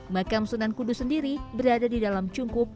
makam sunan kudus sendiri berada di dalam cungkup